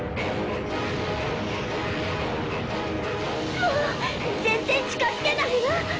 もう全然近づけないわ！